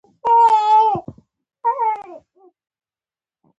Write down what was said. لمسی د اختر خوښي زیاته کړي.